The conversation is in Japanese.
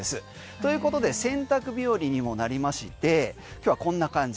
ということで洗濯日和にもなりまして今日はこんな感じ。